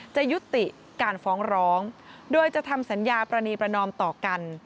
จะยุติการฟ้องร้องโดยจะทำสัญญาปรณีประนอมต่อกัน